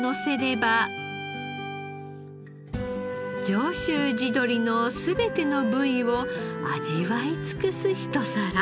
上州地鶏の全ての部位を味わい尽くすひと皿。